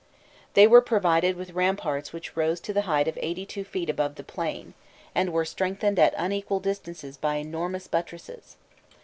They were provided with ramparts which rose to the height of eighty two feet above the plain, and were strengthened at unequal distances by enormous buttresses.